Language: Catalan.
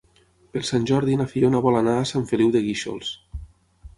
Per Sant Jordi na Fiona vol anar a Sant Feliu de Guíxols.